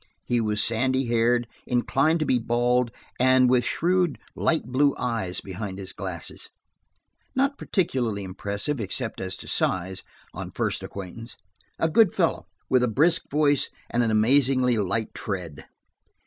He was sandy haired, inclined to be bald, and with shrewd, light blue eyes behind his glasses. Not particularly impressive, except as to size, on first acquaintance; a good fellow, with a brisk voice, and an amazingly light tread.